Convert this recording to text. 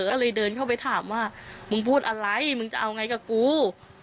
ก็เลยเดินเข้าไปถามว่ามึงพูดอะไรมึงจะเอาไงกับกู